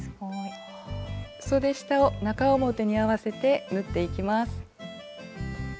そで下を中表に合わせて縫っていきます。